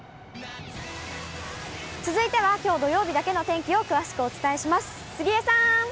続いてはきょう土曜日だけの天気を詳しくお伝えします。